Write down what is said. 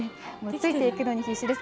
ついていくのに必死です。